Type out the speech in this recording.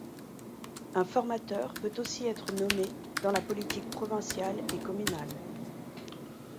Un formateur peut aussi être nommé dans la politique provinciale et communale.